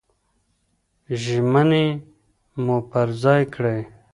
ژمني مو پر ځای کړئ.